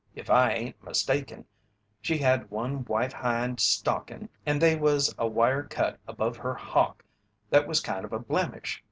If I ain't mistaken, she had one white hind stockin' and they was a wire cut above her hock that was kind of a blemish.